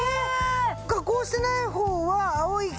加工してない方は青いけど。